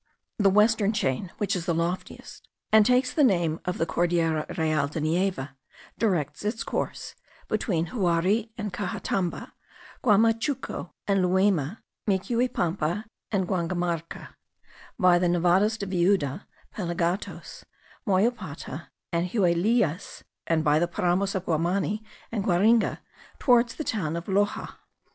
The western chain, which is the loftiest, and takes the name of the Cordillera Real de Nieve, directs its course (between Huary and Caxatamba, Guamachuco and Luema, Micuipampa and Guangamarca) by the Nevados of Viuda, Pelagatos, Moyopata, and Huaylillas, and by the Paramos of Guamani and Guaringa, towards the town of Loxa.